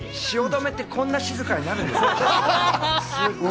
汐留ってこんな静かになるんですね。